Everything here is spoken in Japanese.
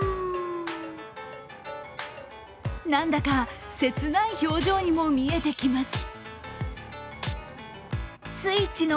何だか、切ない表情にも見えてきます。